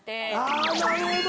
あなるほど。